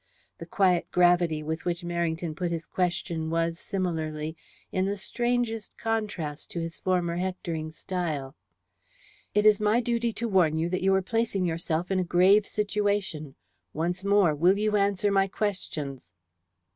The quiet gravity with which Merrington put this question was, similarly, in the strangest contrast to his former hectoring style. "It is my duty to warn you that you are placing yourself in a grave situation. Once more, will you answer my questions?"